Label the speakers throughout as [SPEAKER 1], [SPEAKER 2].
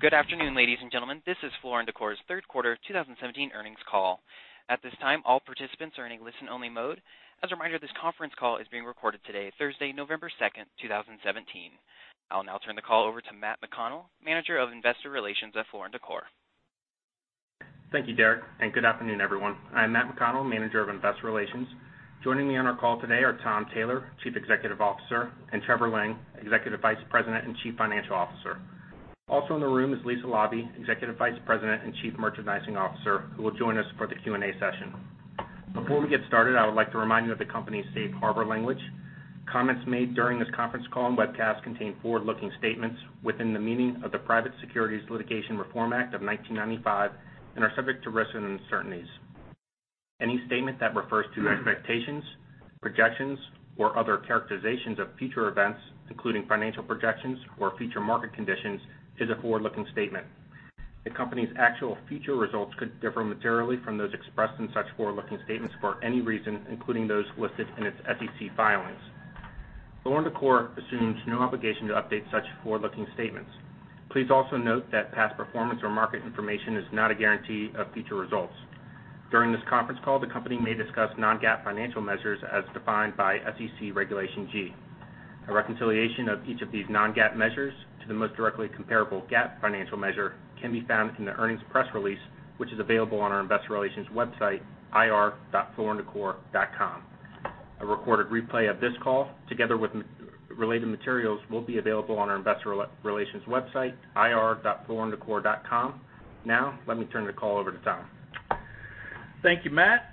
[SPEAKER 1] Good afternoon, ladies and gentlemen. This is Floor & Decor's third quarter 2017 earnings call. At this time, all participants are in a listen-only mode. As a reminder, this conference call is being recorded today, Thursday, November 2, 2017. I will now turn the call over to Matt McConnell, Manager of Investor Relations at Floor & Decor.
[SPEAKER 2] Thank you, Derek. Good afternoon, everyone. I am Matt McConnell, Manager of Investor Relations. Joining me on our call today are Tom Taylor, Chief Executive Officer, and Trevor Lang, Executive Vice President and Chief Financial Officer. Also in the room is Lisa Laube, Executive Vice President and Chief Merchandising Officer, who will join us for the Q&A session. Before we get started, I would like to remind you of the company's safe harbor language. Comments made during this conference call and webcast contain forward-looking statements within the meaning of the Private Securities Litigation Reform Act of 1995 and are subject to risks and uncertainties. Any statement that refers to expectations, projections, or other characterizations of future events, including financial projections or future market conditions, is a forward-looking statement. The company's actual future results could differ materially from those expressed in such forward-looking statements for any reason, including those listed in its SEC filings. Floor & Decor assumes no obligation to update such forward-looking statements. Please also note that past performance or market information is not a guarantee of future results. During this conference call, the company may discuss non-GAAP financial measures as defined by SEC Regulation G. A reconciliation of each of these non-GAAP measures to the most directly comparable GAAP financial measure can be found in the earnings press release, which is available on our investor relations website, ir.flooranddecor.com. A recorded replay of this call, together with related materials, will be available on our investor relations website, ir.flooranddecor.com. Let me turn the call over to Tom.
[SPEAKER 3] Thank you, Matt.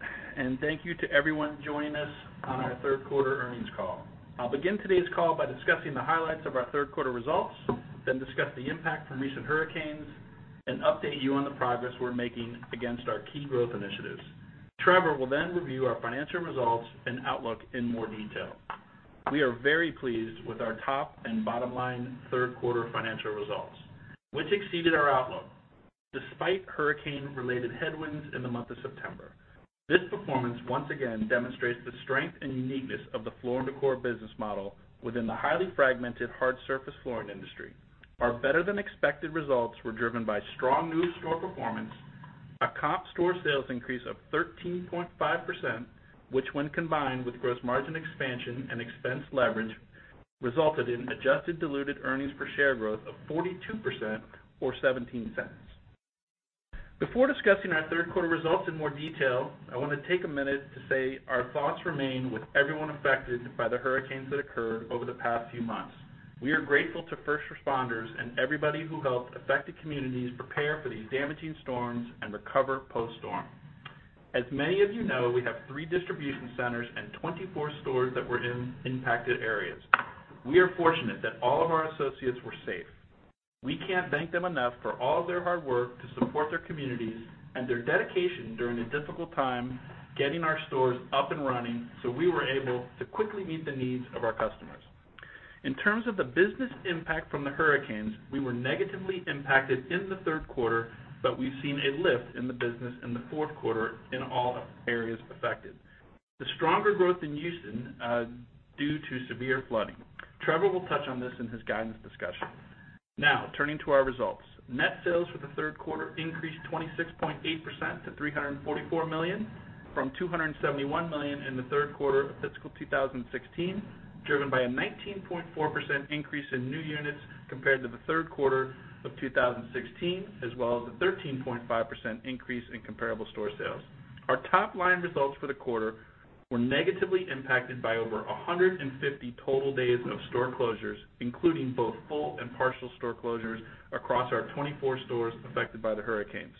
[SPEAKER 3] Thank you to everyone joining us on our third quarter earnings call. I will begin today's call by discussing the highlights of our third quarter results, discuss the impact from recent hurricanes, and update you on the progress we are making against our key growth initiatives. Trevor will review our financial results and outlook in more detail. We are very pleased with our top and bottom line third-quarter financial results, which exceeded our outlook, despite hurricane-related headwinds in the month of September. This performance once again demonstrates the strength and uniqueness of the Floor & Decor business model within the highly fragmented hard surface flooring industry. Our better-than-expected results were driven by strong new store performance, a comp store sales increase of 13.5%, which when combined with gross margin expansion and expense leverage, resulted in adjusted diluted earnings per share growth of 42%, or $0.17. Before discussing our third quarter results in more detail, I want to take a minute to say our thoughts remain with everyone affected by the hurricanes that occurred over the past few months. We are grateful to first responders and everybody who helped affected communities prepare for these damaging storms and recover post-storm. As many of you know, we have three distribution centers and 24 stores that were in impacted areas. We are fortunate that all of our associates were safe. We can't thank them enough for all of their hard work to support their communities and their dedication during a difficult time getting our stores up and running so we were able to quickly meet the needs of our customers. In terms of the business impact from the hurricanes, we were negatively impacted in the third quarter, but we've seen a lift in the business in the fourth quarter in all areas affected. The stronger growth in Houston, due to severe flooding. Trevor will touch on this in his guidance discussion. Now, turning to our results. Net sales for the third quarter increased 26.8% to $344 million, from $271 million in the third quarter of fiscal 2016, driven by a 19.4% increase in new units compared to the third quarter of 2016, as well as a 13.5% increase in comparable store sales. Our top-line results for the quarter were negatively impacted by over 150 total days of store closures, including both full and partial store closures across our 24 stores affected by the hurricanes.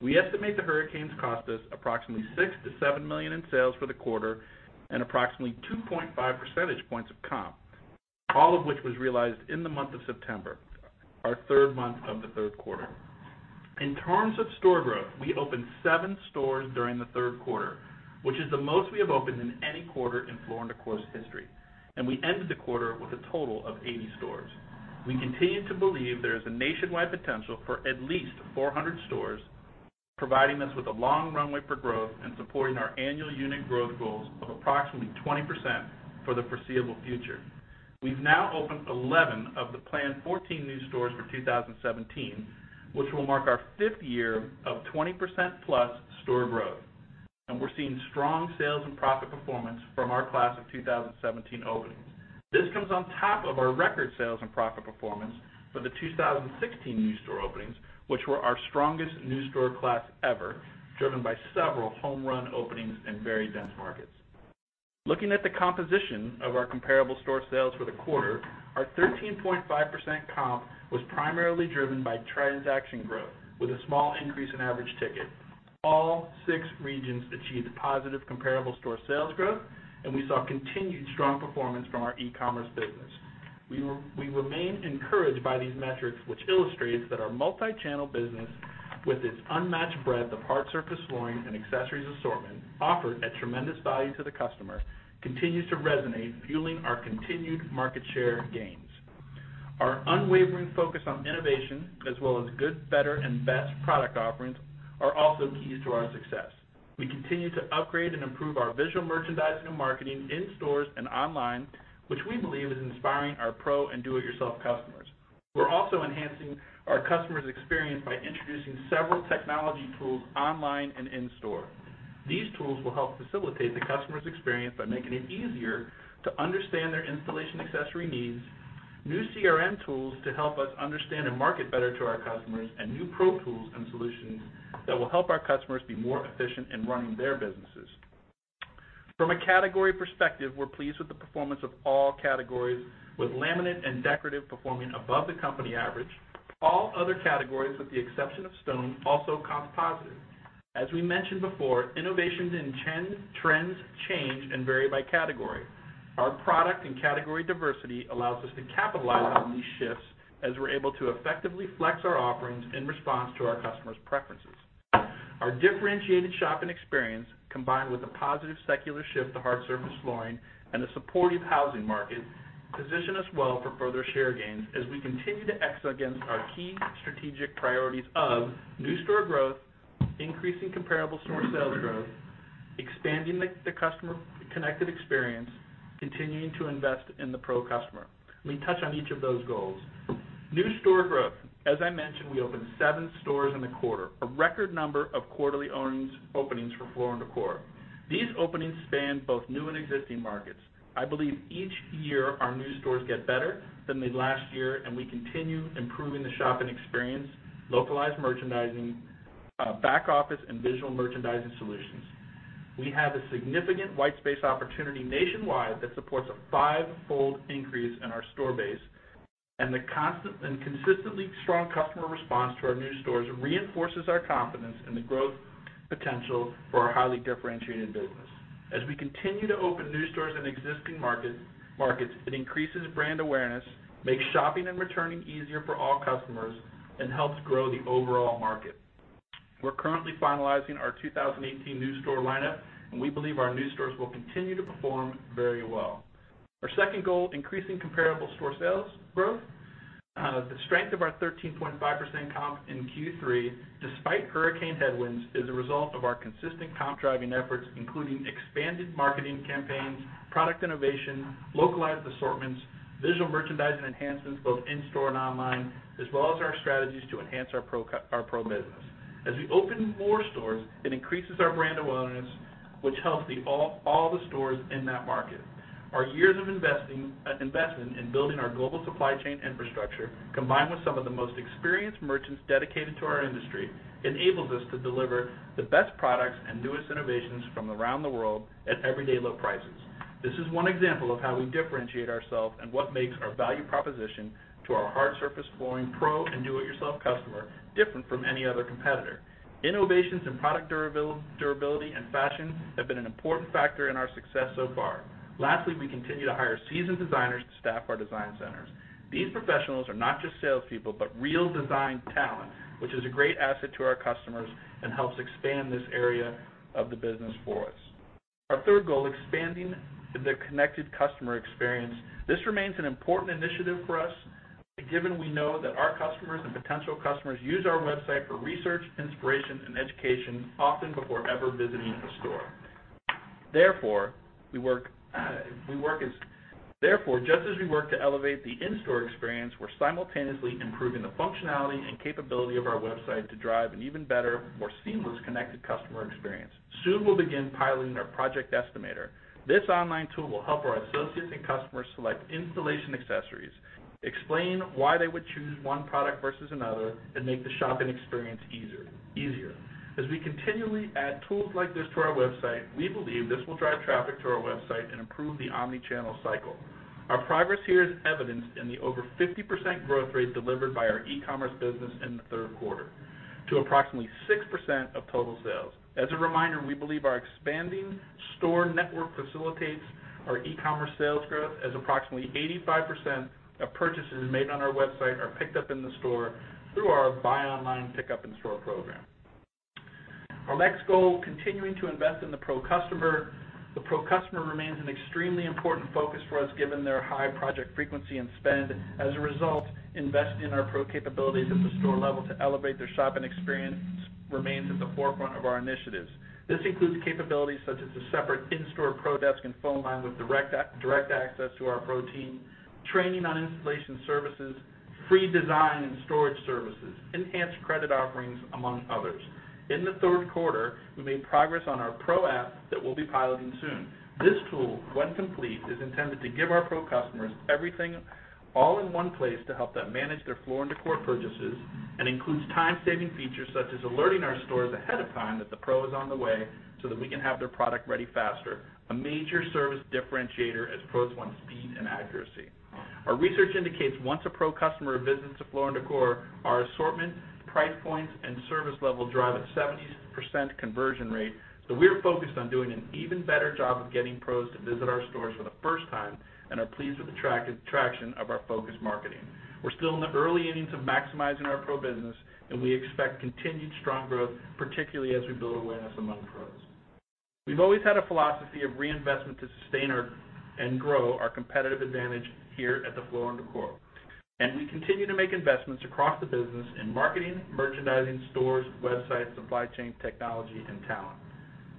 [SPEAKER 3] We estimate the hurricanes cost us approximately $6 million-$7 million in sales for the quarter and approximately 2.5 percentage points of comp, all of which was realized in the month of September, our third month of the third quarter. In terms of store growth, we opened seven stores during the third quarter, which is the most we have opened in any quarter in Floor & Decor's history. We ended the quarter with a total of 80 stores. We continue to believe there is a nationwide potential for at least 400 stores, providing us with a long runway for growth and supporting our annual unit growth goals of approximately 20% for the foreseeable future. We've now opened 11 of the planned 14 new stores for 2017, which will mark our fifth year of 20%-plus store growth. We're seeing strong sales and profit performance from our class of 2017 openings. This comes on top of our record sales and profit performance for the 2016 new store openings, which were our strongest new store class ever, driven by several home-run openings in very dense markets. Looking at the composition of our comparable store sales for the quarter, our 13.5% comp was primarily driven by transaction growth, with a small increase in average ticket. All six regions achieved positive comparable store sales growth. We saw continued strong performance from our e-commerce business. We remain encouraged by these metrics, which illustrates that our multi-channel business, with its unmatched breadth of hard surface flooring and accessories assortment, offered at tremendous value to the customer, continues to resonate, fueling our continued market share gains. Our unwavering focus on innovation, as well as good, better, and best product offerings, are also keys to our success. We continue to upgrade and improve our visual merchandising and marketing in stores and online, which we believe is inspiring our pro and do-it-yourself customers. We're also enhancing our customers' experience by introducing several technology tools online and in-store. These tools will help facilitate the customers' experience by making it easier to understand their installation accessory needs, new CRM tools to help us understand and market better to our customers, and new pro tools and solutions that will help our customers be more efficient in running their businesses. From a category perspective, we're pleased with the performance of all categories, with laminate and decorative performing above the company average. All other categories, with the exception of stone, also comp positive. We mentioned before, innovations in trends change and vary by category. Our product and category diversity allows us to capitalize on these shifts as we're able to effectively flex our offerings in response to our customers' preferences. Our differentiated shopping experience, combined with a positive secular shift to hard surface flooring and a supportive housing market, position us well for further share gains as we continue to excel against our key strategic priorities of new store growth, increasing comparable store sales growth, expanding the customer-connected experience, continuing to invest in the pro customer. Let me touch on each of those goals. New store growth. I mentioned, we opened seven stores in the quarter, a record number of quarterly openings for Floor & Decor. These openings span both new and existing markets. I believe each year our new stores get better than they last year, and we continue improving the shopping experience, localized merchandising, back office, and visual merchandising solutions. We have a significant white space opportunity nationwide that supports a five-fold increase in our store base, and the consistently strong customer response to our new stores reinforces our confidence in the growth potential for our highly differentiated business. We continue to open new stores in existing markets, it increases brand awareness, makes shopping and returning easier for all customers, and helps grow the overall market. We're currently finalizing our 2018 new store lineup, and we believe our new stores will continue to perform very well. Our second goal, increasing comparable store sales growth. The strength of our 13.5% comp in Q3, despite hurricane headwinds, is a result of our consistent comp-driving efforts, including expanded marketing campaigns, product innovation, localized assortments, visual merchandising enhancements both in-store and online, as well as our strategies to enhance our pro business. We open more stores, it increases our brand awareness, which helps all the stores in that market. Our years of investment in building our global supply chain infrastructure, combined with some of the most experienced merchants dedicated to our industry, enables us to deliver the best products and newest innovations from around the world at everyday low prices. This is one example of how we differentiate ourselves and what makes our value proposition to our hard surface flooring pro and do-it-yourself customer different from any other competitor. Innovations in product durability and fashion have been an important factor in our success so far. We continue to hire seasoned designers to staff our design centers. These professionals are not just salespeople, but real design talent, which is a great asset to our customers and helps expand this area of the business for us. Our third goal, expanding the connected customer experience. This remains an important initiative for us, given we know that our customers and potential customers use our website for research, inspiration, and education, often before ever visiting a store. Just as we work to elevate the in-store experience, we're simultaneously improving the functionality and capability of our website to drive an even better, more seamless connected customer experience. Soon, we'll begin piloting our project estimator. This online tool will help our associates and customers select installation accessories, explain why they would choose one product versus another, and make the shopping experience easier. We continually add tools like this to our website, we believe this will drive traffic to our website and improve the omnichannel cycle. Our progress here is evidenced in the over 50% growth rate delivered by our e-commerce business in the third quarter to approximately 6% of total sales. We believe our expanding store network facilitates our e-commerce sales growth, as approximately 85% of purchases made on our website are picked up in the store through our Buy Online, Pick Up in Store program. Our next goal, continuing to invest in the pro customer. The pro customer remains an extremely important focus for us, given their high project frequency and spend. Investing in our pro capabilities at the store level to elevate their shopping experience remains at the forefront of our initiatives. This includes capabilities such as a separate in-store pro desk and phone line with direct access to our pro team, training on installation services, free design and storage services, enhanced credit offerings, among others. In the third quarter, we made progress on our pro app that we'll be piloting soon. This tool, when complete, is intended to give our pro customers everything all in one place to help them manage their Floor & Decor purchases and includes time-saving features such as alerting our stores ahead of time that the pro is on the way so that we can have their product ready faster, a major service differentiator as pros want speed and accuracy. Our research indicates once a pro customer visits a Floor & Decor, our assortment, price points, and service level drive a 70% conversion rate. We're focused on doing an even better job of getting pros to visit our stores for the first time and are pleased with the traction of our focused marketing. We're still in the early innings of maximizing our pro business, and we expect continued strong growth, particularly as we build awareness among pros. We've always had a philosophy of reinvestment to sustain and grow our competitive advantage here at the Floor & Decor, and we continue to make investments across the business in marketing, merchandising stores, websites, supply chain technology, and talent.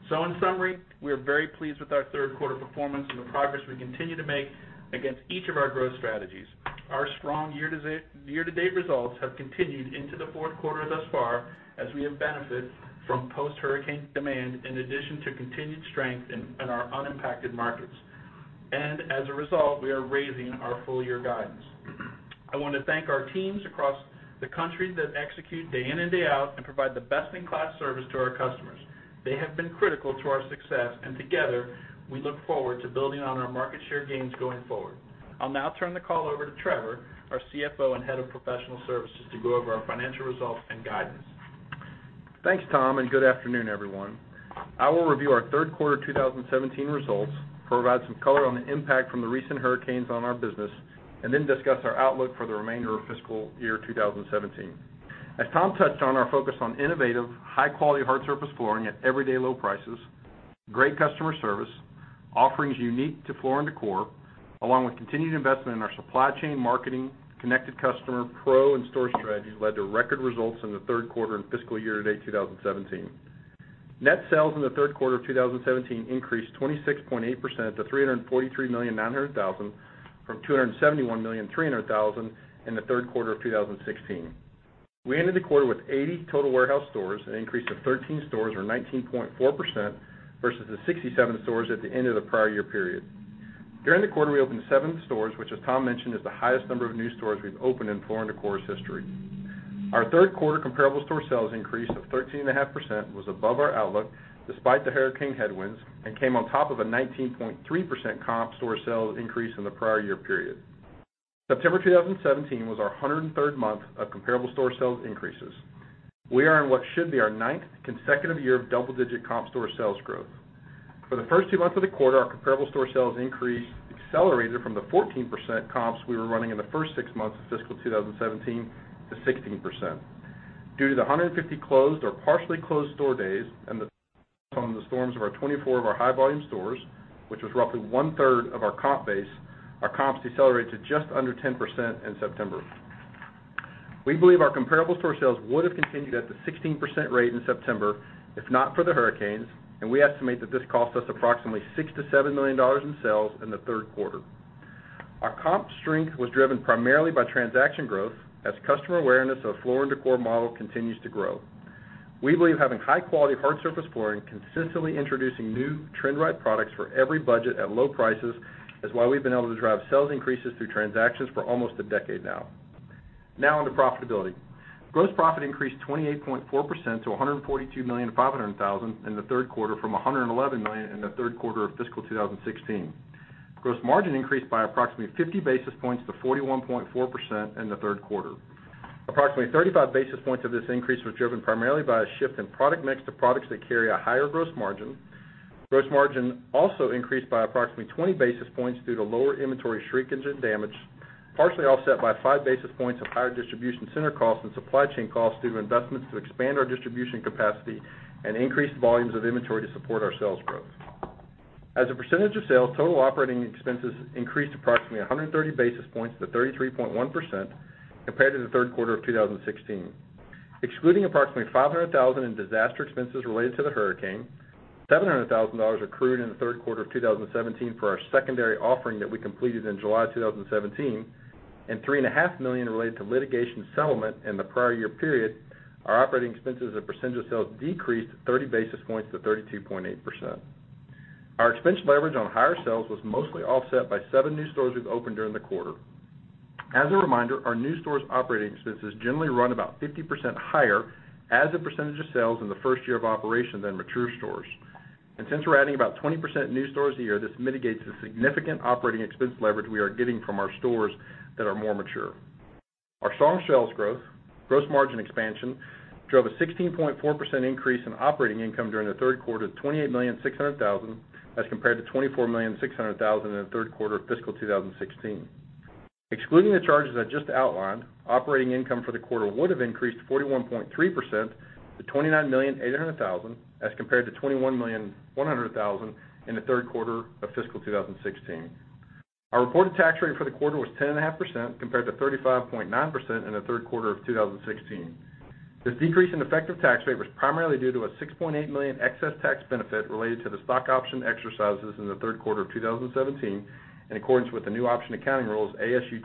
[SPEAKER 3] In summary, we are very pleased with our third quarter performance and the progress we continue to make against each of our growth strategies. Our strong year-to-date results have continued into the fourth quarter thus far, as we have benefited from post-hurricane demand, in addition to continued strength in our unimpacted markets. As a result, we are raising our full-year guidance. I want to thank our teams across the country that execute day in and day out and provide the best-in-class service to our customers. They have been critical to our success, and together, we look forward to building on our market share gains going forward. I'll now turn the call over to Trevor, our CFO and Head of Professional Services, to go over our financial results and guidance.
[SPEAKER 4] Thanks, Tom, and good afternoon, everyone. I will review our third quarter 2017 results, provide some color on the impact from the recent hurricanes on our business, and then discuss our outlook for the remainder of fiscal year 2017. As Tom touched on, our focus on innovative, high-quality hard surface flooring at everyday low prices, great customer service, offerings unique to Floor & Decor, along with continued investment in our supply chain marketing, connected customer Pro and store strategies led to record results in the third quarter and fiscal year to date 2017. Net sales in the third quarter of 2017 increased 26.8% to $343.9 million from $271.3 million in the third quarter of 2016. We ended the quarter with 80 total warehouse stores, an increase of 13 stores or 19.4%, versus the 67 stores at the end of the prior year period. During the quarter, we opened seven stores, which, as Tom mentioned, is the highest number of new stores we've opened in Floor & Decor's history. Our third quarter comparable store sales increase of 13.5% was above our outlook, despite the hurricane headwinds, and came on top of a 19.3% comp store sales increase in the prior year period. September 2017 was our 103rd month of comparable store sales increases. We are in what should be our ninth consecutive year of double-digit comp store sales growth. For the first two months of the quarter, our comparable store sales increase accelerated from the 14% comps we were running in the first six months of fiscal 2017 to 16%. Due to the 150 closed or partially closed store days and the storms of our 24 of our high-volume stores, which was roughly one-third of our comp base, our comps decelerated to just under 10% in September. We believe our comparable store sales would have continued at the 16% rate in September, if not for the hurricanes, and we estimate that this cost us approximately $6 million-$7 million in sales in the third quarter. Our comp strength was driven primarily by transaction growth as customer awareness of Floor & Decor model continues to grow. We believe having high-quality hard surface flooring, consistently introducing new trend-right products for every budget at low prices is why we've been able to drive sales increases through transactions for almost a decade now. Now on to profitability. Gross profit increased 28.4% to $142.5 million in the third quarter from $111 million in the third quarter of fiscal 2016. Gross margin increased by approximately 50 basis points to 41.4% in the third quarter. Approximately 35 basis points of this increase was driven primarily by a shift in product mix to products that carry a higher gross margin. Gross margin also increased by approximately 20 basis points due to lower inventory shrinkage and damage, partially offset by five basis points of higher distribution center costs and supply chain costs due to investments to expand our distribution capacity and increase the volumes of inventory to support our sales growth. As a percentage of sales, total operating expenses increased approximately 130 basis points to 33.1% compared to the third quarter of 2016. Excluding approximately $500,000 in disaster expenses related to Hurricane Irma, $700,000 accrued in the third quarter of 2017 for our secondary offering that we completed in July 2017, and $3.5 million related to litigation settlement in the prior year period, our operating expenses as a percentage of sales decreased 30 basis points to 32.8%. Our expense leverage on higher sales was mostly offset by seven new stores we've opened during the quarter. As a reminder, our new stores' operating expenses generally run about 50% higher as a percentage of sales in the first year of operation than mature stores. Since we're adding about 20% new stores a year, this mitigates the significant operating expense leverage we are getting from our stores that are more mature. Our strong sales growth, gross margin expansion, drove a 16.4% increase in operating income during the third quarter to $28.6 million as compared to $24.6 million in the third quarter of fiscal 2016. Excluding the charges I just outlined, operating income for the quarter would have increased 41.3% to $29.8 million, as compared to $21.1 million in the third quarter of fiscal 2016. Our reported tax rate for the quarter was 10.5%, compared to 35.9% in the third quarter of 2016. This decrease in effective tax rate was primarily due to a $6.8 million excess tax benefit related to the stock option exercises in the third quarter of 2017 in accordance with the new option accounting rules, ASU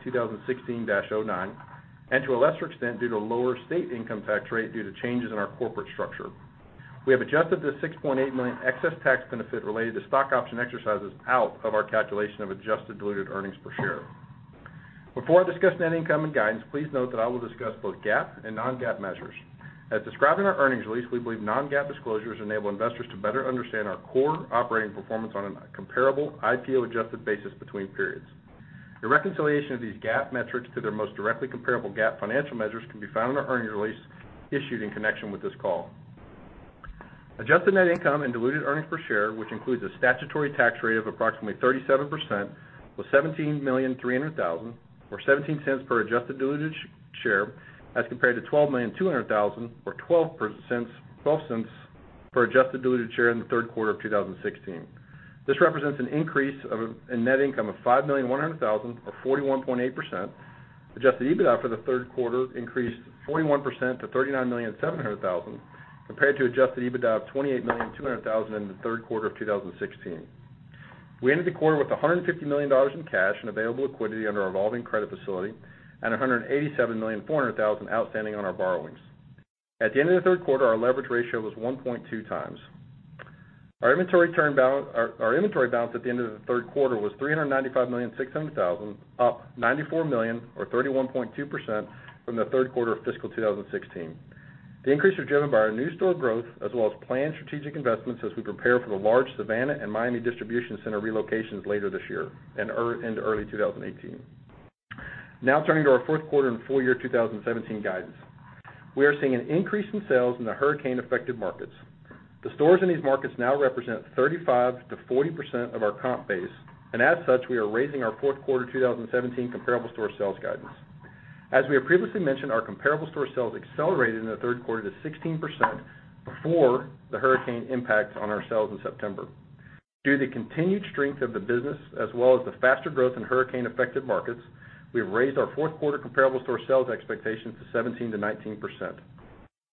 [SPEAKER 4] 2016-09, and to a lesser extent, due to a lower state income tax rate due to changes in our corporate structure. We have adjusted the $6.8 million excess tax benefit related to stock option exercises out of our calculation of adjusted diluted earnings per share. Before I discuss net income and guidance, please note that I will discuss both GAAP and non-GAAP measures. As described in our earnings release, we believe non-GAAP disclosures enable investors to better understand our core operating performance on a comparable, IPO-adjusted basis between periods. A reconciliation of these GAAP metrics to their most directly comparable GAAP financial measures can be found in our earnings release issued in connection with this call. Adjusted net income and diluted earnings per share, which includes a statutory tax rate of approximately 37%, was $17.3 million, or $0.17 per adjusted diluted share as compared to $12.2 million or $0.12 per adjusted diluted share in the third quarter of 2016. This represents an increase in net income of $5.1 million or 41.8%. Adjusted EBITDA for the third quarter increased 41% to $39,700,000 compared to adjusted EBITDA of $28,200,000 in the third quarter of 2016. We ended the quarter with $150 million in cash and available liquidity under our revolving credit facility and $187,400,000 outstanding on our borrowings. At the end of the third quarter, our leverage ratio was 1.2 times. Our inventory balance at the end of the third quarter was $395,600,000, up $94 million or 31.2% from the third quarter of fiscal 2016. The increase was driven by our new store growth as well as planned strategic investments as we prepare for the large Savannah and Miami distribution center relocations later this year and into early 2018. Turning to our fourth quarter and full year 2017 guidance. We are seeing an increase in sales in the hurricane-affected markets. The stores in these markets now represent 35%-40% of our comp base, we are raising our fourth quarter 2017 comparable store sales guidance. As we have previously mentioned, our comparable store sales accelerated in the third quarter to 16% before the hurricane impact on our sales in September. Due to the continued strength of the business, as well as the faster growth in hurricane-affected markets, we have raised our fourth quarter comparable store sales expectations to 17%-19%.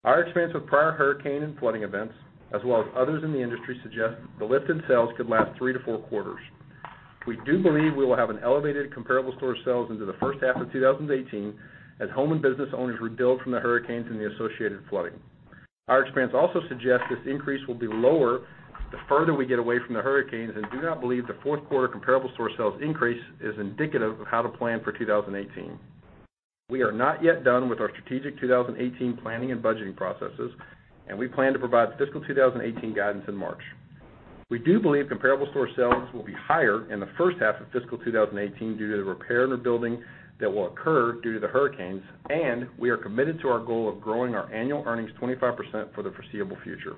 [SPEAKER 4] Our experience with prior hurricane and flooding events, as well as others in the industry, suggest the lift in sales could last three to four quarters. We do believe we will have an elevated comparable store sales into the first half of 2018 as home and business owners rebuild from the hurricanes and the associated flooding. Our experience also suggests this increase will be lower the further we get away from the hurricanes and do not believe the fourth quarter comparable store sales increase is indicative of how to plan for 2018. We are not yet done with our strategic 2018 planning and budgeting processes, we plan to provide the fiscal 2018 guidance in March. We do believe comparable store sales will be higher in the first half of fiscal 2018 due to the repair and rebuilding that will occur due to the hurricanes, we are committed to our goal of growing our annual earnings 25% for the foreseeable future.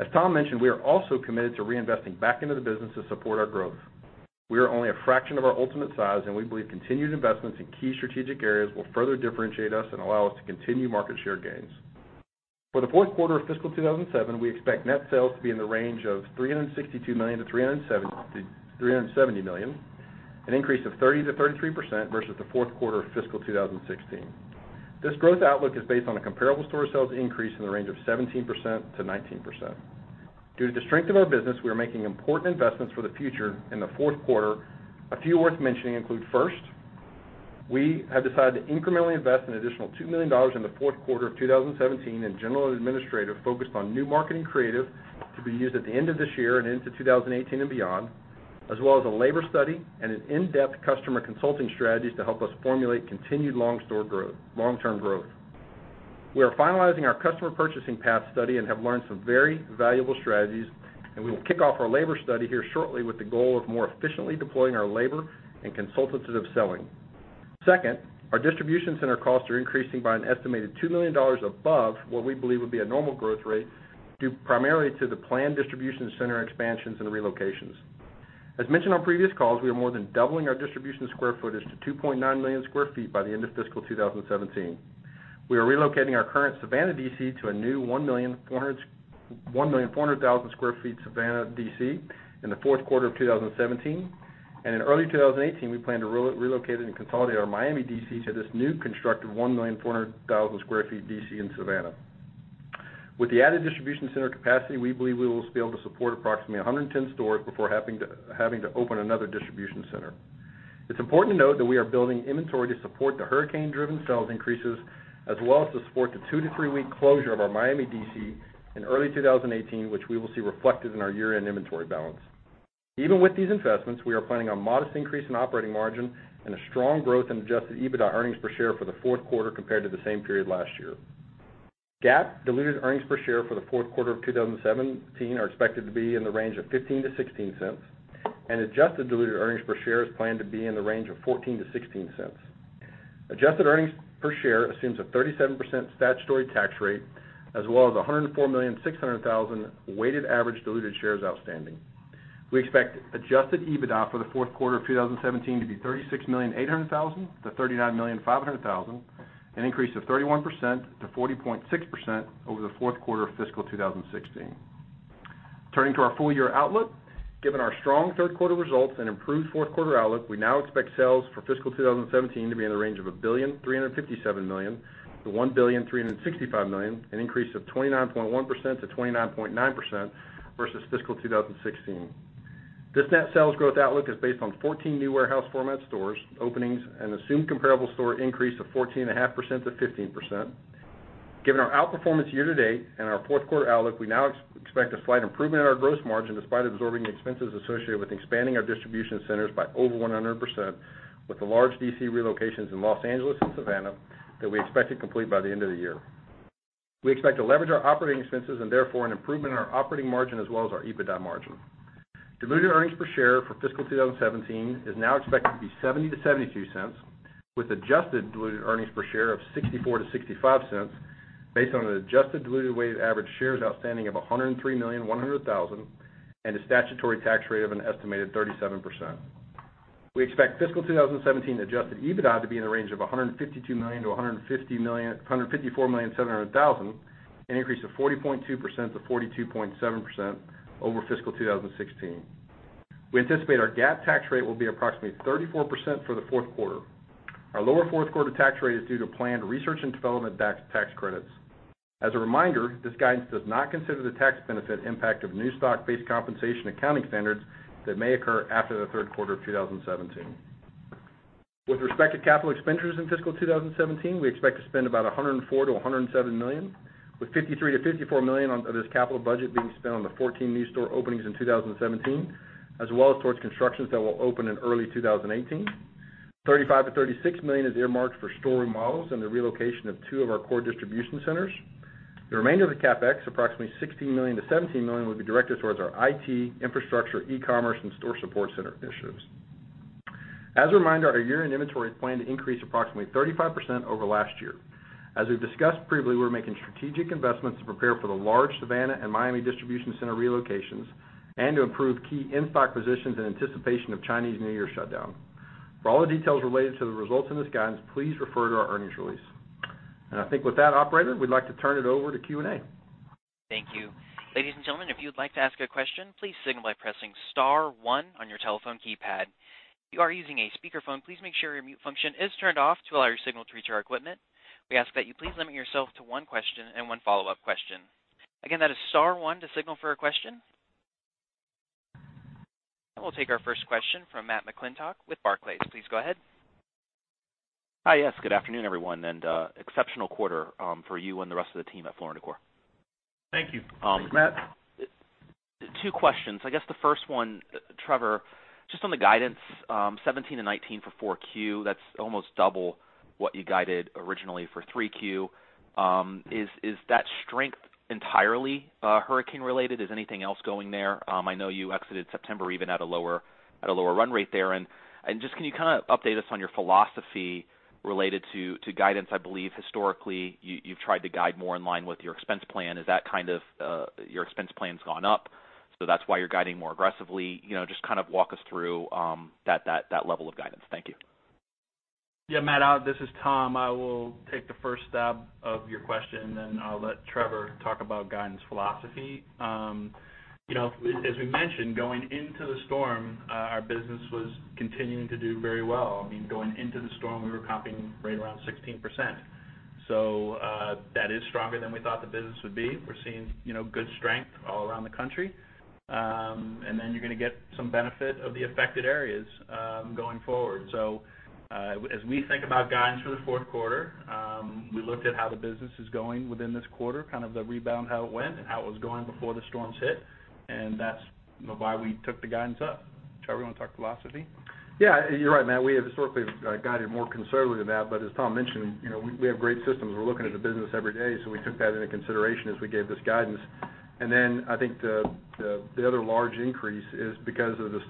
[SPEAKER 4] As Tom mentioned, we are also committed to reinvesting back into the business to support our growth. We are only a fraction of our ultimate size, we believe continued investments in key strategic areas will further differentiate us and allow us to continue market share gains. For the fourth quarter of fiscal 2017, we expect net sales to be in the range of $362 million-$370 million, an increase of 30%-33% versus the fourth quarter of fiscal 2016. This growth outlook is based on a comparable store sales increase in the range of 17%-19%. Due to the strength of our business, we are making important investments for the future in the fourth quarter. A few worth mentioning include, first, we have decided to incrementally invest an additional $2 million in the fourth quarter of 2017 in general and administrative focused on new marketing creative to be used at the end of this year and into 2018 and beyond. As well as a labor study and an in-depth customer consulting strategies to help us formulate continued long-term growth. We are finalizing our customer purchasing path study and have learned some very valuable strategies. We will kick off our labor study here shortly with the goal of more efficiently deploying our labor and consultants of selling. Second, our distribution center costs are increasing by an estimated $2 million above what we believe would be a normal growth rate, due primarily to the planned distribution center expansions and relocations. As mentioned on previous calls, we are more than doubling our distribution square footage to 2.9 million square feet by the end of fiscal 2017. We are relocating our current Savannah DC to a new 1,400,000 square feet Savannah DC in the fourth quarter of 2017. In early 2018, we plan to relocate and consolidate our Miami DC to this new constructed 1,400,000 square feet DC in Savannah. With the added distribution center capacity, we believe we will be able to support approximately 110 stores before having to open another distribution center. It's important to note that we are building inventory to support the hurricane-driven sales increases, as well as to support the two to three-week closure of our Miami DC in early 2018, which we will see reflected in our year-end inventory balance. Even with these investments, we are planning a modest increase in operating margin and a strong growth in adjusted EBITDA earnings per share for the fourth quarter compared to the same period last year. GAAP diluted earnings per share for the fourth quarter of 2017 are expected to be in the range of $0.15 to $0.16, and adjusted diluted earnings per share is planned to be in the range of $0.14 to $0.16. Adjusted earnings per share assumes a 37% statutory tax rate as well as 104,600,000 weighted average diluted shares outstanding. We expect adjusted EBITDA for the fourth quarter of 2017 to be $36,800,000 to $39,500,000, an increase of 31%-40.6% over the fourth quarter of fiscal 2016. Turning to our full-year outlook. Given our strong third quarter results and improved fourth quarter outlook, we now expect sales for fiscal 2017 to be in the range of $1,357,000,000 to $1,365,000,000, an increase of 29.1%-29.9% versus fiscal 2016. This net sales growth outlook is based on 14 new warehouse format stores openings and assumed comparable store increase of 14.5%-15%. Given our outperformance year to date and our fourth quarter outlook, we now expect a slight improvement in our gross margin despite absorbing the expenses associated with expanding our distribution centers by over 100% with the large DC relocations in Los Angeles and Savannah that we expect to complete by the end of the year. We expect to leverage our operating expenses and therefore an improvement in our operating margin as well as our EBITDA margin. Diluted earnings per share for fiscal 2017 is now expected to be $0.70 to $0.72, with adjusted diluted earnings per share of $0.64 to $0.65 based on an adjusted diluted weighted average shares outstanding of 103,100,000 and a statutory tax rate of an estimated 37%. We expect fiscal 2017 adjusted EBITDA to be in the range of $152 million-$154.7 million, an increase of 40.2%-42.7% over fiscal 2016. We anticipate our GAAP tax rate will be approximately 34% for the fourth quarter. Our lower fourth quarter tax rate is due to planned research and development tax credits. As a reminder, this guidance does not consider the tax benefit impact of new stock-based compensation accounting standards that may occur after the third quarter of 2017. With respect to capital expenditures in fiscal 2017, we expect to spend about $104 million-$107 million, with $53 million-$54 million of this capital budget being spent on the 14 new store openings in 2017, as well as towards constructions that will open in early 2018. $35 million-$36 million is earmarked for store remodels and the relocation of two of our core distribution centers. The remainder of the CapEx, approximately $16 million-$17 million, will be directed towards our IT, infrastructure, e-commerce, and store support center initiatives. As a reminder, our year-end inventory is planned to increase approximately 35% over last year. As we've discussed previously, we're making strategic investments to prepare for the large Savannah and Miami distribution center relocations and to improve key in-stock positions in anticipation of Chinese New Year shutdown. For all the details related to the results in this guidance, please refer to our earnings release. I think with that, operator, we'd like to turn it over to Q&A.
[SPEAKER 1] Thank you. Ladies and gentlemen, if you'd like to ask a question, please signal by pressing *1 on your telephone keypad. If you are using a speakerphone, please make sure your mute function is turned off to allow your signal to reach our equipment. We ask that you please limit yourself to one question and one follow-up question. Again, that is *1 to signal for a question. I will take our first question from Matt McClintock with Barclays. Please go ahead.
[SPEAKER 5] Hi. Yes. Good afternoon, everyone. Exceptional quarter for you and the rest of the team at Floor & Decor.
[SPEAKER 4] Thank you. Matt.
[SPEAKER 1] Thanks.
[SPEAKER 5] Two questions. I guess the first one, Trevor, just on the guidance, 17%-19% for Q4, that's almost double what you guided originally for Q3. Is that strength entirely hurricane related? Is anything else going there? I know you exited September even at a lower run rate there. Just can you update us on your philosophy related to guidance? I believe historically you've tried to guide more in line with your expense plan. Is that kind of your expense plan's gone up, so that's why you're guiding more aggressively? Just walk us through that level of guidance. Thank you.
[SPEAKER 3] Yeah, Matt, this is Tom. I will take the first stab of your question, and then I'll let Trevor talk about guidance philosophy. As we mentioned, going into the storm, our business was continuing to do very well. Going into the storm, we were comping right around 16%. That is stronger than we thought the business would be. We're seeing good strength all around the country. You're going to get some benefit of the affected areas going forward. As we think about guidance for the fourth quarter, we looked at how the business is going within this quarter, kind of the rebound, how it went, and how it was going before the storms hit, and that's why we took the guidance up. Trevor, want to talk philosophy? Yeah, you're right, Matt.
[SPEAKER 4] We have historically guided more conservatively than that, but as Tom mentioned, we have great systems. We're looking at the business every day, so we took that into consideration as we gave this guidance. I think the other large increase is because of the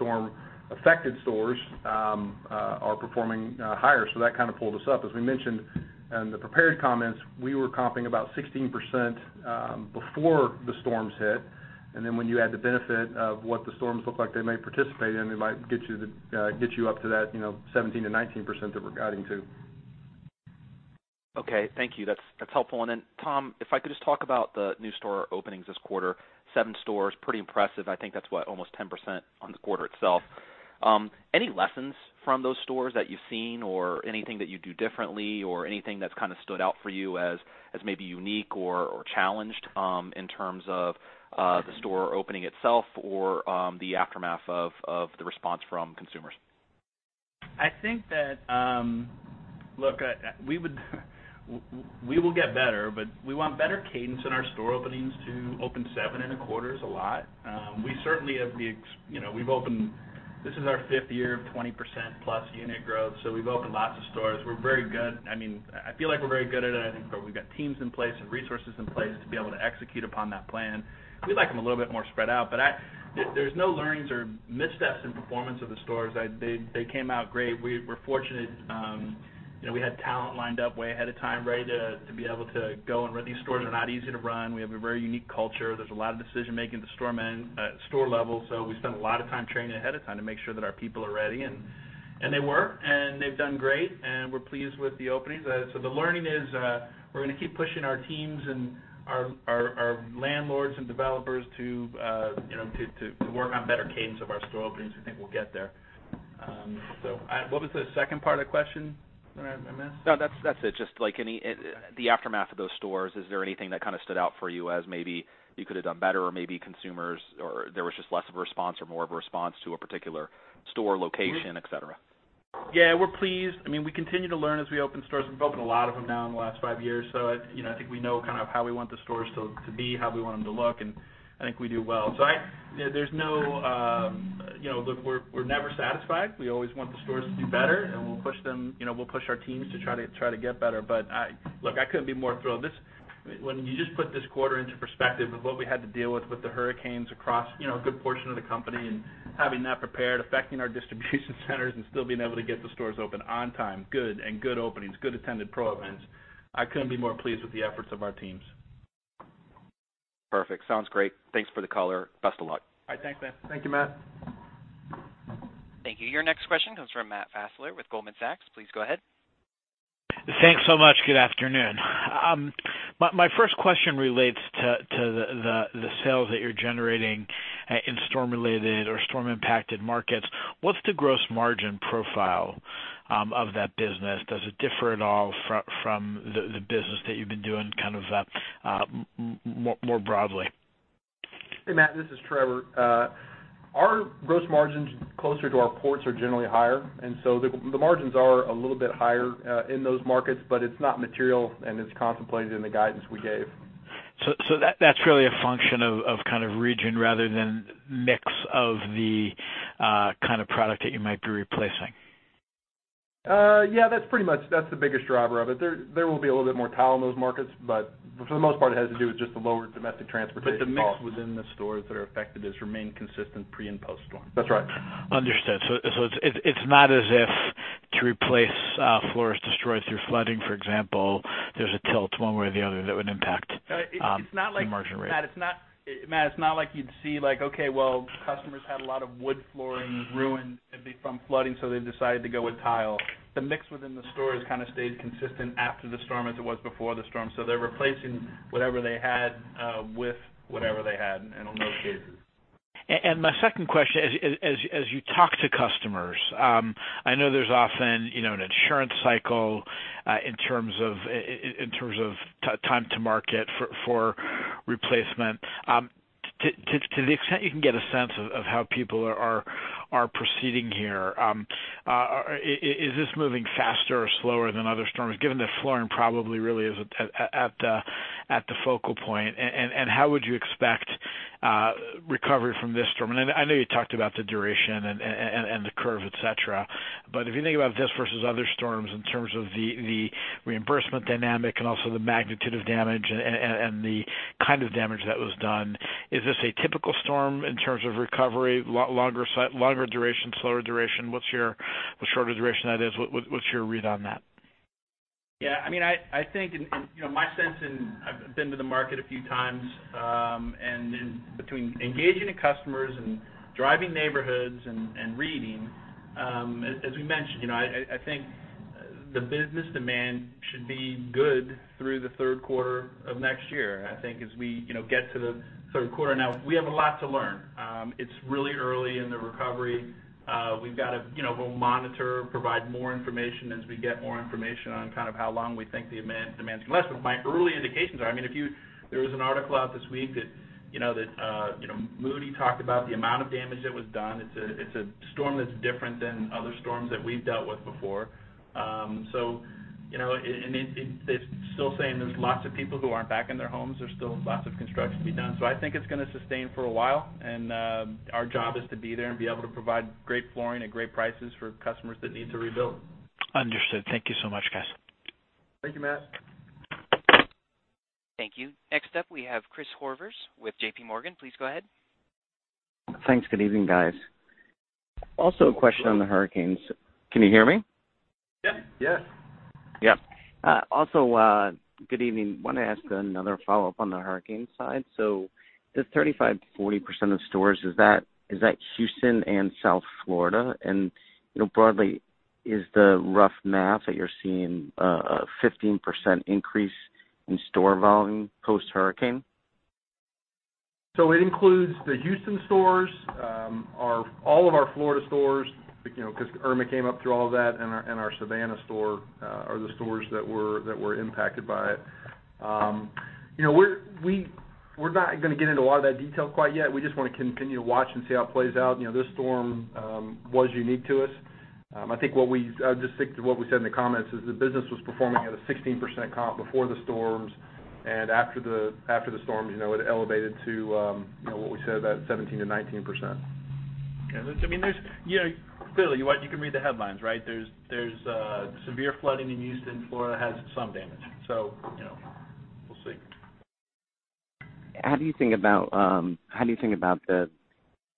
[SPEAKER 4] storm-affected stores are performing higher. That kind of pulled us up. As we mentioned in the prepared comments, we were comping about 16% before the storms hit, and then when you add the benefit of what the storms look like they may participate in, it might get you up to that 17%-19% that we're guiding to.
[SPEAKER 5] Okay. Thank you. That's helpful. Tom, if I could just talk about the new store openings this quarter. Seven stores, pretty impressive. I think that's what, almost 10% on the quarter itself. Any lessons from those stores that you've seen or anything that you'd do differently or anything that's stood out for you as maybe unique or challenged in terms of the store opening itself or the aftermath of the response from consumers?
[SPEAKER 3] I think that we will get better, we want better cadence in our store openings, too. To open seven in a quarter is a lot. This is our fifth year of 20%-plus unit growth, we've opened lots of stores. We're very good. I feel like we're very good at it. I think we've got teams in place and resources in place to be able to execute upon that plan. We like them a little bit more spread out, there's no learnings or missteps in performance of the stores. They came out great. We're fortunate. We had talent lined up way ahead of time, ready to be able to go and run these stores. They're not easy to run. We have a very unique culture. There's a lot of decision-making at the store level, we spent a lot of time training ahead of time to make sure that our people are ready, and they were, and they've done great, and we're pleased with the openings. The learning is we're going to keep pushing our teams and our landlords and developers to work on better cadence of our store openings. We think we'll get there. What was the second part of the question that I missed?
[SPEAKER 5] No, that's it. Just like the aftermath of those stores, is there anything that stood out for you as maybe you could have done better or maybe consumers or there was just less of a response or more of a response to a particular store location, et cetera?
[SPEAKER 3] Yeah, we're pleased. We continue to learn as we open stores. We've opened a lot of them now in the last 5 years, so I think we know how we want the stores to be, how we want them to look, and I think we do well. Look, we're never satisfied. We always want the stores to do better, and we'll push our teams to try to get better. Look, I couldn't be more thrilled. When you just put this quarter into perspective of what we had to deal with the hurricanes across a good portion of the company and having that prepared, affecting our distribution centers and still being able to get the stores open on time, good, and good openings, good attended pro events, I couldn't be more pleased with the efforts of our teams.
[SPEAKER 5] Perfect. Sounds great. Thanks for the color. Best of luck.
[SPEAKER 3] All right, thanks, man.
[SPEAKER 4] Thank you, Matt.
[SPEAKER 1] Thank you. Your next question comes from Matthew Fassler with Goldman Sachs. Please go ahead.
[SPEAKER 6] Thanks so much. Good afternoon. My first question relates to the sales that you're generating in storm-related or storm-impacted markets. What's the gross margin profile of that business? Does it differ at all from the business that you've been doing kind of more broadly?
[SPEAKER 4] Hey, Matt, this is Trevor. Our gross margins closer to our ports are generally higher, and so the margins are a little bit higher in those markets, but it's not material and it's contemplated in the guidance we gave.
[SPEAKER 6] That's really a function of kind of region rather than mix of the kind of product that you might be replacing.
[SPEAKER 4] Yeah, that's pretty much the biggest driver of it. There will be a little bit more tile in those markets, for the most part, it has to do with just the lower domestic transportation cost.
[SPEAKER 3] The mix within the stores that are affected has remained consistent pre- and post-storm.
[SPEAKER 4] That's right.
[SPEAKER 6] Understood. It's not as if to replace floors destroyed through flooding, for example, there's a tilt one way or the other that would impact.
[SPEAKER 4] It's not like.
[SPEAKER 6] The margin rate.
[SPEAKER 4] Matt, it's not like you'd see, like, okay, well, customers had a lot of wood flooring ruined from flooding, so they decided to go with tile. The mix within the stores kind of stayed consistent after the storm as it was before the storm. They're replacing whatever they had with whatever they had, and on those cases.
[SPEAKER 6] My second question, as you talk to customers, I know there's often an insurance cycle in terms of time to market for replacement. To the extent you can get a sense of how people are proceeding here, is this moving faster or slower than other storms, given that flooring probably really is at the focal point? How would you expect recovery from this storm? I know you talked about the duration and the curve, et cetera. If you think about this versus other storms in terms of the reimbursement dynamic and also the magnitude of damage and the kind of damage that was done, is this a typical storm in terms of recovery, longer duration, slower duration? Shorter duration, that is. What's your read on that?
[SPEAKER 3] I think, my sense, I've been to the market a few times, between engaging the customers and driving neighborhoods and reading, as we mentioned, I think the business demand should be good through the third quarter of next year. I think as we get to the third quarter. We have a lot to learn. It's really early in the recovery. We'll monitor, provide more information as we get more information on kind of how long we think the demand is going to last. My early indications are, there was an article out this week that Moody's talked about the amount of damage that was done. It's a storm that's different than other storms that we've dealt with before. They're still saying there's lots of people who aren't back in their homes. There's still lots of construction to be done. I think it's going to sustain for a while, and our job is to be there and be able to provide great flooring at great prices for customers that need to rebuild.
[SPEAKER 6] Understood. Thank you so much, guys.
[SPEAKER 3] Thank you, Matt.
[SPEAKER 1] Thank you. Next up, we have Christopher Horvers with J.P. Morgan. Please go ahead.
[SPEAKER 7] Thanks. Good evening, guys. Also, a question on the hurricanes. Can you hear me?
[SPEAKER 4] Yeah.
[SPEAKER 3] Yeah.
[SPEAKER 7] Yep. Also, good evening. Want to ask another follow-up on the hurricane side. This 35%-40% of stores, is that Houston and South Florida? Broadly, is the rough math that you're seeing a 15% increase in store volume post-hurricane?
[SPEAKER 4] It includes the Houston stores, all of our Florida stores, because Irma came up through all of that, and our Savannah store are the stores that were impacted by it. We're not going to get into a lot of that detail quite yet. We just want to continue to watch and see how it plays out. This storm was unique to us. I think just sticking to what we said in the comments is the business was performing at a 16% comp before the storms, and after the storms, it elevated to what we said, about 17%-19%.
[SPEAKER 3] Yeah. Clearly, you can read the headlines, right? There's severe flooding in Houston. Florida has some damage. We'll see.
[SPEAKER 7] How do you think about the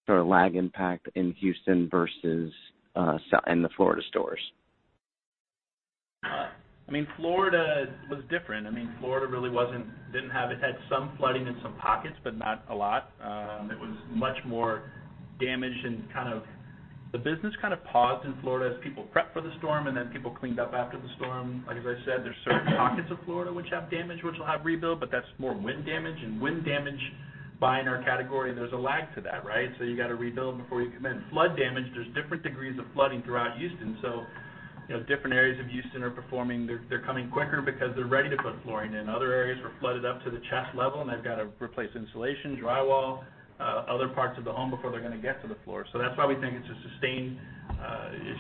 [SPEAKER 7] sort of lag impact in Houston versus in the Florida stores?
[SPEAKER 3] Florida was different. Florida really had some flooding in some pockets, but not a lot. It was much more damaged and kind of the business kind of paused in Florida as people prepped for the storm, and then people cleaned up after the storm. Like as I said, there's certain pockets of Florida which have damage, which will have rebuild, but that's more wind damage. Wind damage, buying our category, there's a lag to that, right? You got to rebuild before you can. Flood damage, there's different degrees of flooding throughout Houston, so different areas of Houston are performing. They're coming quicker because they're ready to put flooring in. Other areas were flooded up to the chest level, and they've got to replace insulation, drywall, other parts of the home before they're going to get to the floor. That's why we think it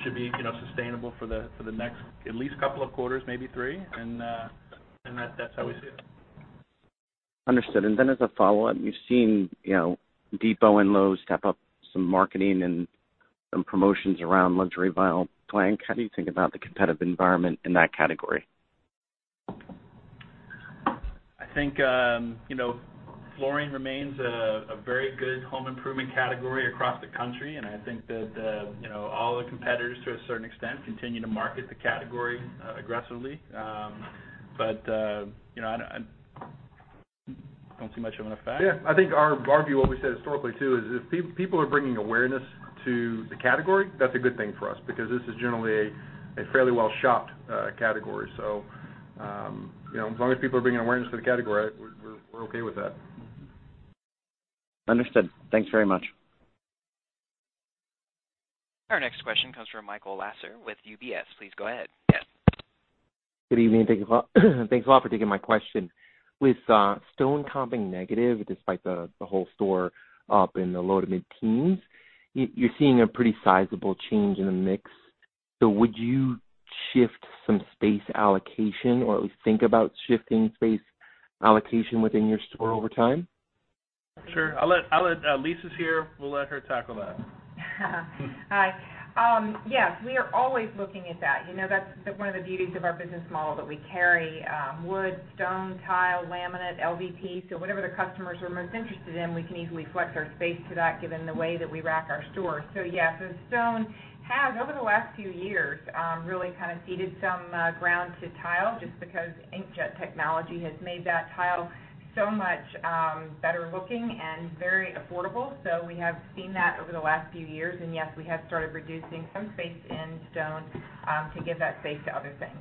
[SPEAKER 3] should be sustainable for the next at least couple of quarters, maybe three. That's how we see it.
[SPEAKER 7] Understood. As a follow-up, we've seen Depot and Lowe's step up some marketing and some promotions around luxury vinyl plank. How do you think about the competitive environment in that category?
[SPEAKER 3] I think flooring remains a very good home improvement category across the country, and I think that all the competitors, to a certain extent, continue to market the category aggressively. But I
[SPEAKER 4] Don't see much of an effect?
[SPEAKER 3] Yeah. I think our view, what we said historically too, is if people are bringing awareness to the category, that's a good thing for us because this is generally a fairly well-shopped category. As long as people are bringing awareness to the category, we're okay with that.
[SPEAKER 7] Understood. Thanks very much.
[SPEAKER 1] Our next question comes from Michael Lasser with UBS. Please go ahead.
[SPEAKER 8] Yes. Good evening, and thanks a lot for taking my question. With stone comping negative, despite the whole store up in the low to mid-teens, you're seeing a pretty sizable change in the mix. Would you shift some space allocation or at least think about shifting space allocation within your store over time?
[SPEAKER 3] Sure. Lisa's here, we'll let her tackle that.
[SPEAKER 9] Hi. Yes, we are always looking at that. That's one of the beauties of our business model that we carry: wood, stone, tile, laminate, LVP. Whatever the customers are most interested in, we can easily flex our space to that, given the way that we rack our stores. Yes, stone has, over the last few years, really kind of ceded some ground to tile just because inkjet technology has made that tile so much better looking and very affordable. We have seen that over the last few years. Yes, we have started reducing some space in stone to give that space to other things.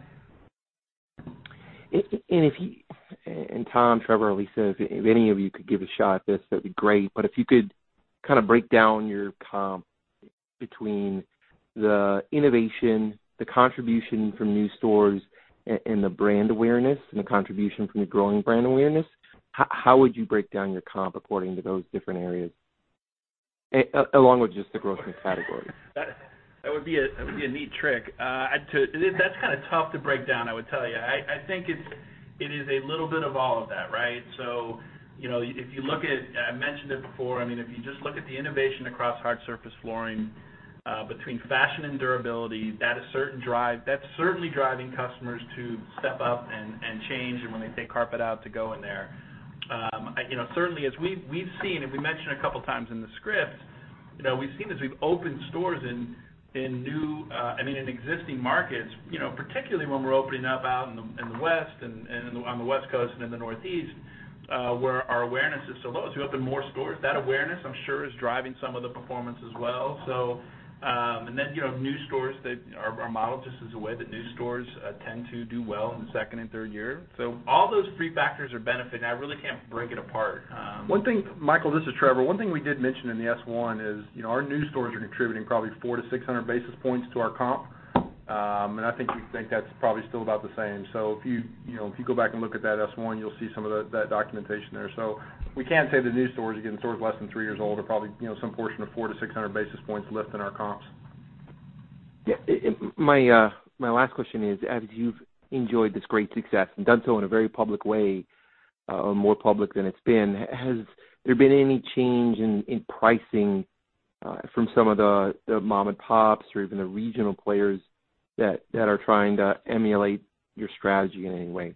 [SPEAKER 8] Tom, Trevor, or Lisa, if any of you could give a shot at this, that'd be great. If you could break down your comp between the innovation, the contribution from new stores, and the brand awareness and the contribution from the growing brand awareness, how would you break down your comp according to those different areas, along with just the growth in the category?
[SPEAKER 3] That would be a neat trick. That's kind of tough to break down, I would tell you. I think it is a little bit of all of that, right? If you look at, I mentioned it before, if you just look at the innovation across hard surface flooring between fashion and durability, that's certainly driving customers to step up and change and when they take carpet out to go in there. Certainly, as we've seen, and we mentioned a couple of times in the script, we've seen as we've opened stores in existing markets, particularly when we're opening up out in the West and on the West Coast and in the Northeast, where our awareness is so low, as we open more stores, that awareness, I'm sure, is driving some of the performance as well. New stores that our model just is the way that new stores tend to do well in the second and third year. All those three factors are benefiting. I really can't break it apart.
[SPEAKER 4] Michael, this is Trevor. One thing we did mention in the S1 is our new stores are contributing probably 400 to 600 basis points to our comp. I think we think that's probably still about the same. If you go back and look at that S1, you'll see some of that documentation there. We can say the new stores, again, stores less than three years old, are probably some portion of 400 to 600 basis points lift in our comps.
[SPEAKER 8] Yeah. My last question is, as you've enjoyed this great success and done so in a very public way, or more public than it's been, has there been any change in pricing from some of the mom and pops or even the regional players that are trying to emulate your strategy in any way?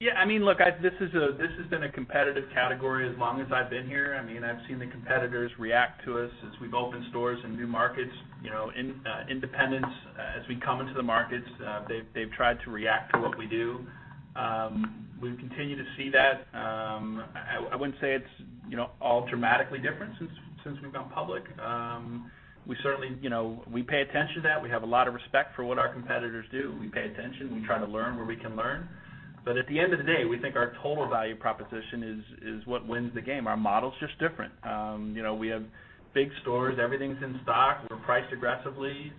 [SPEAKER 3] Yeah. Look, this has been a competitive category as long as I've been here. I've seen the competitors react to us as we've opened stores in new markets, independents as we come into the markets, they've tried to react to what we do. We continue to see that. I wouldn't say it's all dramatically different since we've gone public. We pay attention to that. We have a lot of respect for what our competitors do. We pay attention. We try to learn where we can learn. At the end of the day, we think our total value proposition is what wins the game. Our model's just different. We have big stores. Everything's in stock. We're priced aggressively.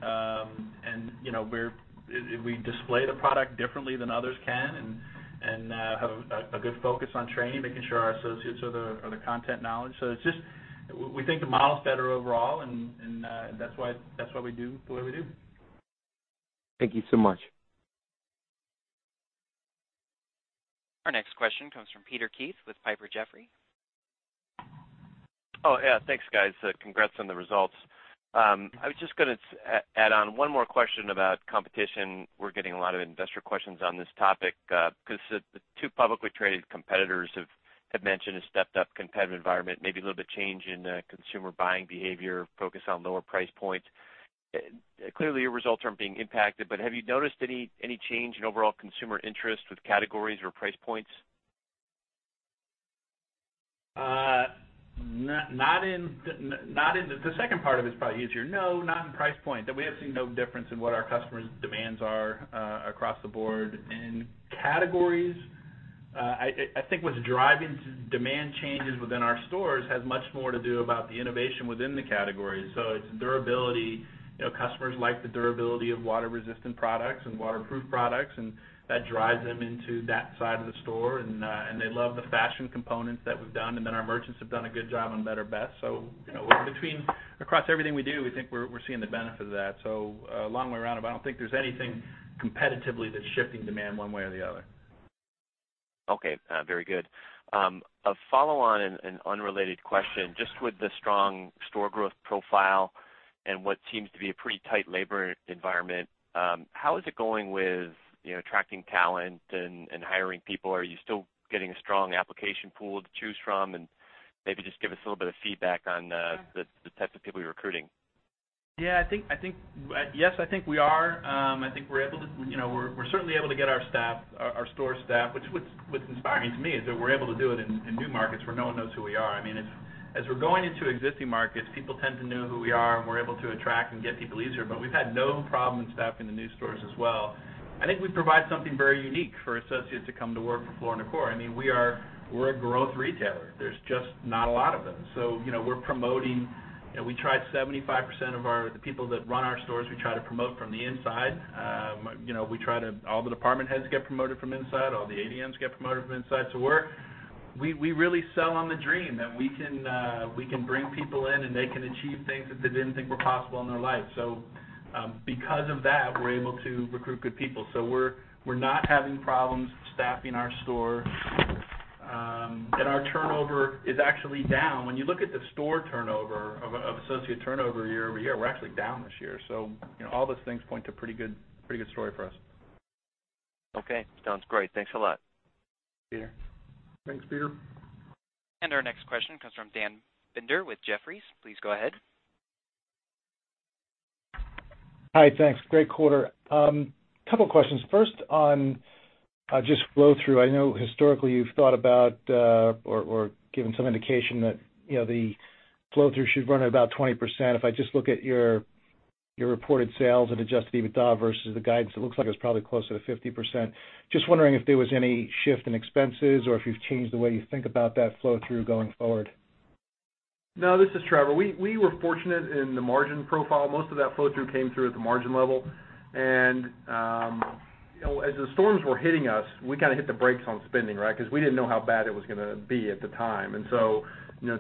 [SPEAKER 3] We display the product differently than others can and have a good focus on training, making sure our associates are the content knowledge. We think the model's better overall, and that's why we do the way we do.
[SPEAKER 8] Thank you so much.
[SPEAKER 1] Our next question comes from Peter Keith with Piper Jaffray.
[SPEAKER 10] Oh, yeah. Thanks, guys. Congrats on the results. I was just going to add on one more question about competition. We're getting a lot of investor questions on this topic because the two publicly traded competitors have mentioned a stepped-up competitive environment, maybe a little bit change in consumer buying behavior, focus on lower price points. Clearly, your results aren't being impacted, but have you noticed any change in overall consumer interest with categories or price points?
[SPEAKER 3] The second part of it is probably easier. No, not in price point. We have seen no difference in what our customers' demands are across the board. In categories, I think what's driving demand changes within our stores has much more to do about the innovation within the category. It's durability. Customers like the durability of water-resistant products and waterproof products, and that drives them into that side of the store. They love the fashion components that we've done, and then our merchants have done a good job on better best. Between across everything we do, we think we're seeing the benefit of that. A long way around, but I don't think there's anything competitively that's shifting demand one way or the other.
[SPEAKER 10] Okay. Very good. A follow-on and unrelated question, just with the strong store growth profile and what seems to be a pretty tight labor environment, how is it going with attracting talent and hiring people? Are you still getting a strong application pool to choose from? Maybe just give us a little bit of feedback on the types of people you're recruiting.
[SPEAKER 3] Yes, I think we are. We're certainly able to get our store staffed, which what's inspiring to me is that we're able to do it in new markets where no one knows who we are. As we're going into existing markets, people tend to know who we are, and we're able to attract and get people easier. We've had no problem staffing the new stores as well. I think we provide something very unique for associates to come to work for Floor & Decor. We're a growth retailer. There's just not a lot of them. We're promoting. 75% of the people that run our stores, we try to promote from the inside. All the department heads get promoted from inside, all the ADMs get promoted from inside. We really sell on the dream that we can bring people in, and they can achieve things that they didn't think were possible in their life. Because of that, we're able to recruit good people. We're not having problems staffing our stores. Our turnover is actually down. When you look at the store turnover of associate turnover year-over-year, we're actually down this year. All those things point to a pretty good story for us.
[SPEAKER 10] Okay. Sounds great. Thanks a lot.
[SPEAKER 4] Peter. Thanks, Peter.
[SPEAKER 1] Our next question comes from Daniel Binder with Jefferies. Please go ahead.
[SPEAKER 11] Hi, thanks. Great quarter. Couple questions. First on just flow-through. I know historically you've thought about or given some indication that the flow-through should run at about 20%. If I just look at your reported sales and adjusted EBITDA versus the guidance, it looks like it was probably closer to 50%. Just wondering if there was any shift in expenses or if you've changed the way you think about that flow-through going forward.
[SPEAKER 4] No, this is Trevor. We were fortunate in the margin profile. Most of that flow-through came through at the margin level. As the storms were hitting us, we hit the brakes on spending, right, because we didn't know how bad it was going to be at the time.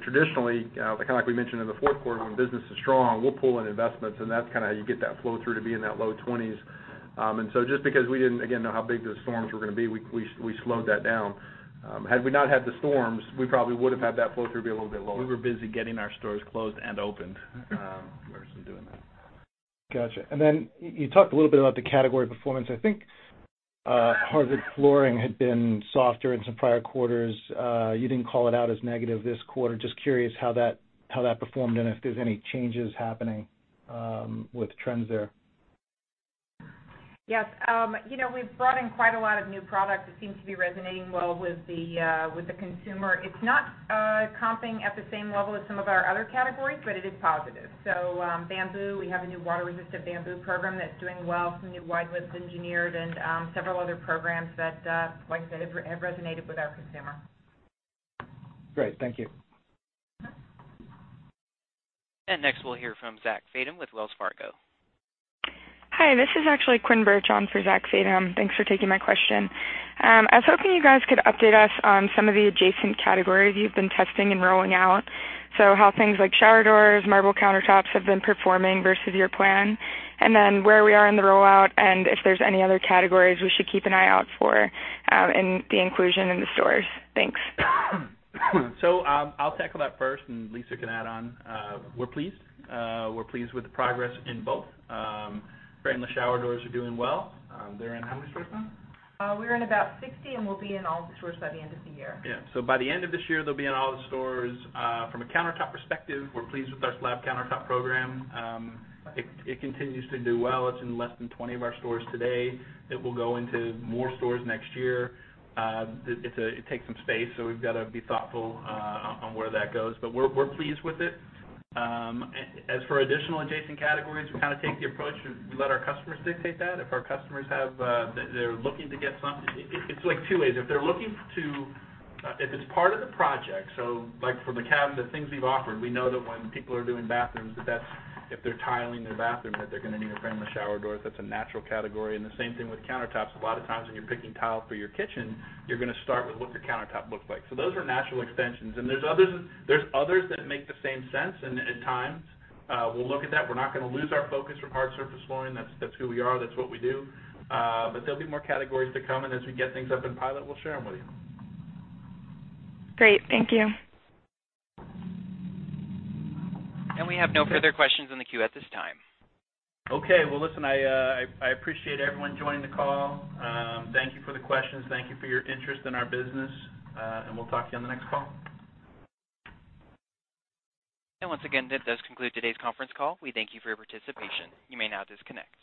[SPEAKER 4] Traditionally, like we mentioned in the fourth quarter, when business is strong, we'll pull in investments and that's how you get that flow-through to be in that low 20s. Just because we didn't, again, know how big those storms were going to be, we slowed that down. Had we not had the storms, we probably would have had that flow-through be a little bit lower.
[SPEAKER 3] We were busy getting our stores closed and opened versus doing that.
[SPEAKER 11] Got you. You talked a little bit about the category performance. I think hardwood flooring had been softer in some prior quarters. You didn't call it out as negative this quarter. Just curious how that performed and if there's any changes happening with trends there.
[SPEAKER 9] Yes. We've brought in quite a lot of new products that seem to be resonating well with the consumer. It's not comping at the same level as some of our other categories, but it is positive. Bamboo, we have a new water-resistant bamboo program that's doing well, some new wide width engineered and several other programs that, like I said, have resonated with our consumer.
[SPEAKER 11] Great. Thank you.
[SPEAKER 1] Next we'll hear from Zach Fadem with Wells Fargo.
[SPEAKER 12] Hi, this is actually Quinn Burch on for Zack Fadem. Thanks for taking my question. I was hoping you guys could update us on some of the adjacent categories you've been testing and rolling out. How things like shower doors, marble countertops have been performing versus your plan, and then where we are in the rollout, and if there's any other categories we should keep an eye out for in the inclusion in the stores. Thanks.
[SPEAKER 3] I'll tackle that first and Lisa can add on. We're pleased. We're pleased with the progress in both. Frameless shower doors are doing well. They're in how many stores now?
[SPEAKER 9] We're in about 60, and we'll be in all the stores by the end of the year.
[SPEAKER 3] By the end of this year, they'll be in all the stores. From a countertop perspective, we're pleased with our slab countertop program. It continues to do well. It's in less than 20 of our stores today. It will go into more stores next year. It takes some space, so we've got to be thoughtful on where that goes. We're pleased with it. As for additional adjacent categories, we take the approach of we let our customers dictate that. If our customers, they're looking to get something It's two ways. If it's part of the project, so like for the cabin, the things we've offered, we know that when people are doing bathrooms, if they're tiling their bathroom, that they're going to need a frameless shower door. That's a natural category. The same thing with countertops. A lot of times when you're picking tile for your kitchen, you're going to start with what the countertop looks like. Those are natural extensions, and there's others that make the same sense, and at times, we'll look at that. We're not going to lose our focus from hard surface flooring. That's who we are. That's what we do. There'll be more categories to come, and as we get things up in pilot, we'll share them with you.
[SPEAKER 12] Great. Thank you.
[SPEAKER 1] We have no further questions in the queue at this time.
[SPEAKER 3] Okay. Well, listen, I appreciate everyone joining the call. Thank you for the questions. Thank you for your interest in our business, and we'll talk to you on the next call.
[SPEAKER 1] Once again, that does conclude today's conference call. We thank you for your participation. You may now disconnect.